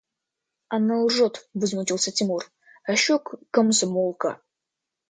– Она лжет, – возмутился Тимур, – а еще комсомолка!